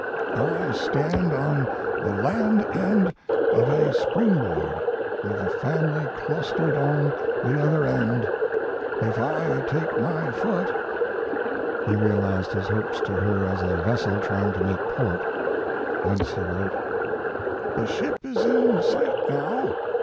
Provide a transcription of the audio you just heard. I stand on the land end of a springboard, with the family clustered on the other end; if I take my foot He realized his hopes to her as a vessel trying to make port; once he wrote: The ship is in sight now....